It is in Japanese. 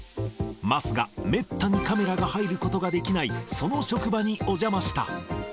桝がめったにカメラが入ることができないその職場にお邪魔した。